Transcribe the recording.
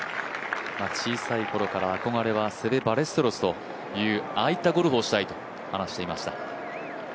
小さいころから憧れはセベ・バレステロスと、ああいったゴルフをしたいと話していました。